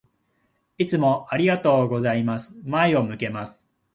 いつもありがとうございます。前を向けます。